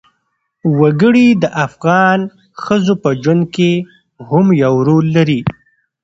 وګړي د افغان ښځو په ژوند کې هم یو رول لري.